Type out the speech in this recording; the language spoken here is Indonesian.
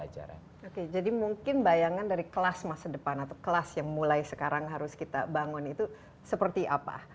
jadi mungkin bayangan dari kelas masa depan atau kelas yang mulai sekarang harus kita bangun itu seperti apa